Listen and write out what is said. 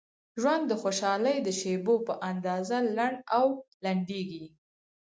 ژوند د خوشحالۍ د شیبو په اندازه لنډ او لنډیږي.